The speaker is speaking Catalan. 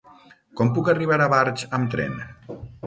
Com puc arribar a Barx amb tren?